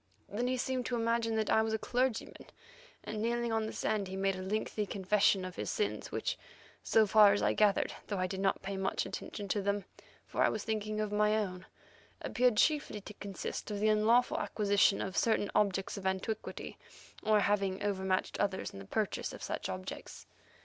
Then he seemed to imagine that I was a clergyman, and kneeling on the sand, he made a lengthy confession of his sins which, so far as I gathered, though I did not pay much attention to them, for I was thinking of my own, appeared chiefly to consist of the unlawful acquisition of certain objects of antiquity, or of having overmatched others in the purchase of such objects.